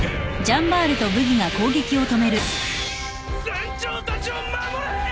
船長たちを守れ！